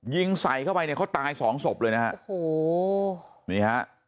ยิงใส่เข้าไปเนี่ยเขาตายสองศพเลยนะฮะ